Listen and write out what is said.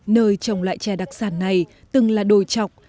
nơi trồng loại trè đặc sản này từng là đồi chọc